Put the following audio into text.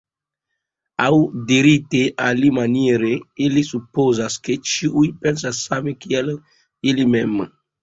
Aŭ dirite alimaniere, ili supozas, ke ĉiuj pensas same kiel ili mem.